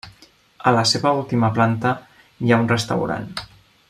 A la seva última planta hi ha un restaurant.